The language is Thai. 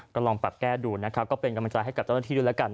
ก็ลองปรับแก้ดูนะครับก็เป็นกำลังใจให้กับเจ้าหน้าที่ด้วยแล้วกัน